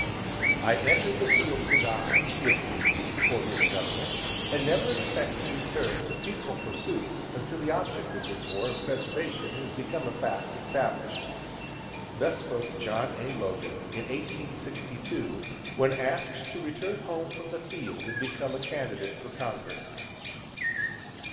"I entered the field to die, if need be, for this government and never expect to return to peaceful pursuits until the object of this war of preservation has become a fact established." Thus spoke John A. Logan in 1862, when asked to return home from the field and become a candidate for Congress.